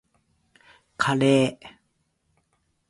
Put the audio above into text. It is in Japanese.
カレー